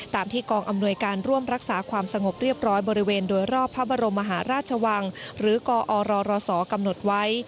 ที่กองอำนวยการร่วมรักษาความสงบเรียบร้อยบริเวณโดยรอบพระบรมมหาราชวังหรือกอรศกำหนดไว้